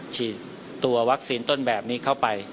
ฉีดตัววัคซีนต้นแบบนี้เข้าไป